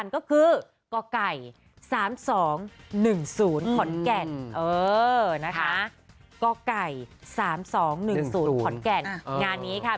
ก็คือกไก่๓๒๑๐ขอนแก่นนะคะกไก่๓๒๑๐ขอนแก่นงานนี้ค่ะ